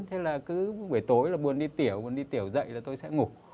thế là cứ buổi tối là buồn đi tiểu buồn đi tiểu dậy là tôi sẽ ngủ